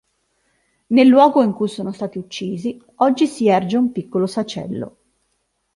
Nel luogo in cui sono stati uccisi oggi si erge un piccolo sacello.